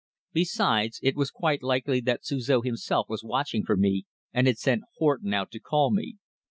Besides, it was quite likely that Suzor himself was watching for me and had sent Horton out to call me.